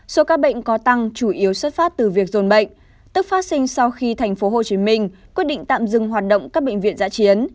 số ca bệnh có tăng chủ yếu xuất phát từ việc dồn bệnh tức phát sinh sau khi tp hcm quyết định tạm dừng hoạt động các bệnh viện giã chiến